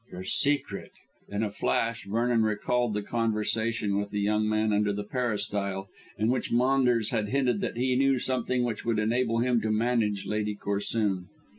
"Your secret?" In a flash Vernon recalled the conversation with the young man under the peristyle, in which Maunders had hinted that he knew something which would enable him to manage Lady Corsoon.